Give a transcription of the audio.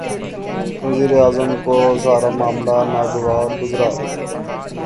وزیر اعظم کو سارا معاملہ ناگوار گزرا۔